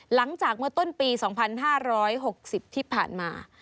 หลังจากเมื่อต้นปี๒๕๖๐ที่ผ่านมา